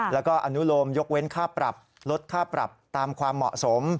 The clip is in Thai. แล้วก็อนุโลมยกเว้นค่าปรับลดค่าปรับตามความเหมาะสม